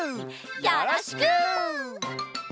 よろしく！